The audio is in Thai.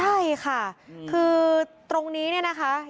ใช่ค่ะคือตรงนี้เนี่ยนะคะ